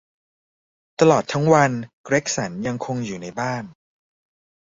ตลอดทั้งวัน เกร็กสันยังคงอยู่ในบ้าน